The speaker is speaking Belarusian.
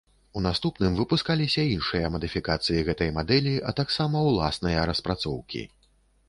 У наступным выпускаліся іншыя мадыфікацыі гэтай мадэлі, а таксама ўласныя распрацоўкі.